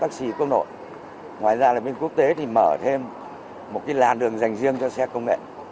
taxi quốc nội ngoài ra là bên quốc tế thì mở thêm một cái làn đường dành riêng cho xe công nghệ